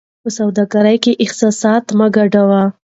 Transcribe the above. په سوداګرۍ کې احساسات مه ګډوئ.